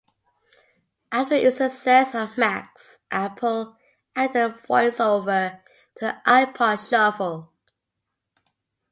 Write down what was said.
After its success on Macs, Apple added VoiceOver to the iPod Shuffle.